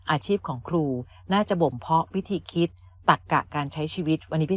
อาชีพของครูน่าจะบ่มเพาะวิธีคิดตักกะการใช้ชีวิตวันนี้พี่